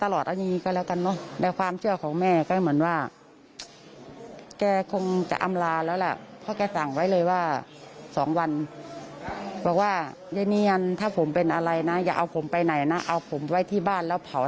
เรียกนี้เมื่อวานพี่สาวเลยมาจุดภูมิบอกว่า